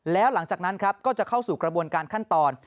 แล้วหลังจากนั้นครับก็จะเข้าสู่กระบวนการขั้นตอน